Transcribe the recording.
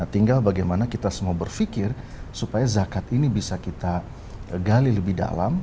tinggal bagaimana kita semua berpikir supaya zakat ini bisa kita gali lebih dalam